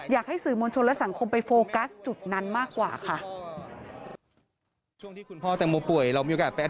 อยากให้สื่อมวลชนและสังคมไปโฟกัสจุดนั้นมากกว่าค่ะ